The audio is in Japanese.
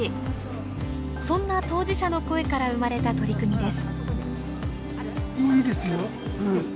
そんな当事者の声から生まれた取り組みです。